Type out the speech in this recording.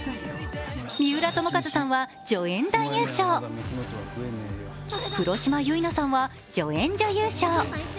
三浦友和さんは助演男優賞、黒島結菜さんは助演女優賞。